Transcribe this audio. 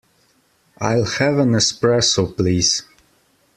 I'll have an Espresso, please.